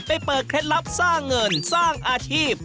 เปิดเคล็ดลับสร้างเงินสร้างอาชีพ